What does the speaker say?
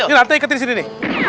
ini lantai ikat di sini nih